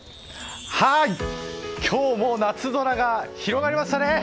今日も夏空が広がりましたね。